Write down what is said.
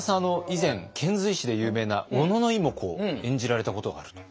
以前遣隋使で有名な小野妹子を演じられたことがあると。